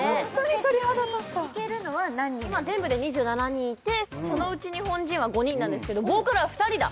一回ね決勝にいけるのは何人今全部で２７人いてそのうち日本人は５人なんですけどボーカルは２人だ